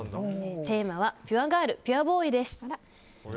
テーマはピュアガールピュアボーイです。